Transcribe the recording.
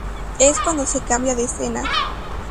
Es cuando se cambia de escena.